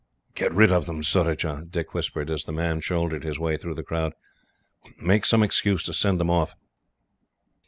"Get rid of them, Surajah," Dick whispered, as the man shouldered his way through the crowd. "Make some excuse to send them off."